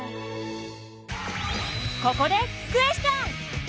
ここでクエスチョン！